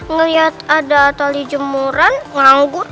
ngelihat ada tali jemuran nganggur